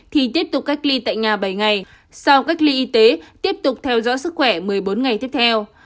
thì tiếp tục cách ly tại nhà bảy ngày sau cách ly y tế tiếp tục theo dõi sức khỏe một mươi bốn ngày tiếp theo